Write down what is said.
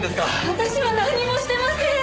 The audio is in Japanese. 私はなんにもしてません！